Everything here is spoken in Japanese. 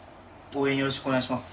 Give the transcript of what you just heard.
応援よろしくお願いします。